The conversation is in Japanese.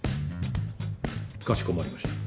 かしこまりました。